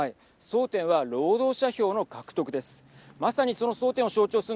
争点は労働者票の獲得です。